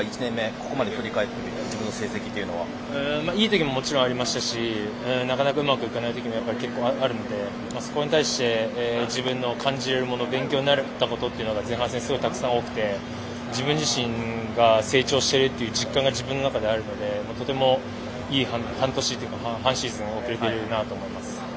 ここまで振り返って自分の成績というのは。いい時ももちろんありましたしなかなかうまくいかない時も結構あるので、そこに対して自分の感じられるもの勉強になったことは前半戦、すごくあって自分自身が成長しているという実感が自分の中ではあるのでとてもいい半年というか半シーズンを送れているなと思います。